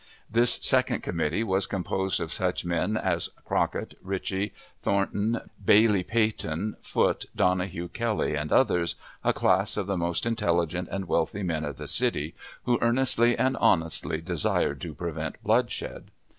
This second committee was composed of such men as Crockett, Ritchie, Thornton, Bailey Peyton, Foote, Donohue, Kelly, and others, a class of the most intelligent and wealthy men of the city, who earnestly and honestly desired to prevent bloodshed.